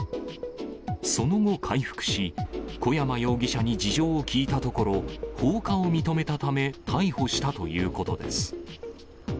その後、回復し、小山容疑者に事情を聴いたところ、放火を認めたため逮捕したということです。